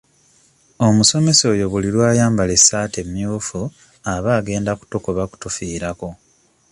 Omusomesa oyo buli lw'ayambala essaati emyufu aba agenda kutukuba kutufiirako.